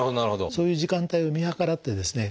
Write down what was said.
そういう時間帯を見計らってですね